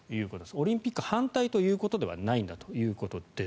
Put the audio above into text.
オリンピック反対ということではないんだと。